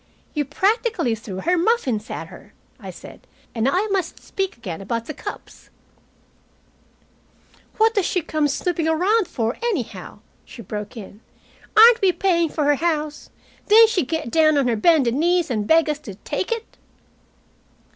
"You practically threw her muffins at her," I said. "And I must speak again about the cups " "What does she come snooping around for, anyhow?" she broke in. "Aren't we paying for her house? Didn't she get down on her bended knees and beg us to take it?"